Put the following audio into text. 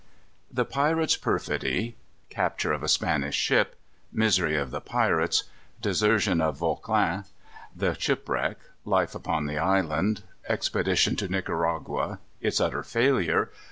_ The Pirates' Perfidy. Capture of a Spanish Ship. Misery of the Pirates. Desertion of Vauclin. The Shipwreck. Life upon the Island. Expedition to Nicaragua. Its utter Failure.